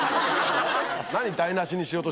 何。